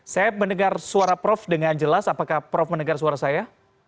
saya mendengar suara prof dengan jelas apakah prof mendengar suara saya